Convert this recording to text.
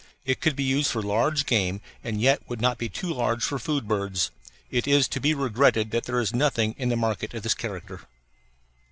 It could be used for large game and yet would not be too large for food birds. It is to be regretted that there is nothing in the market of this character.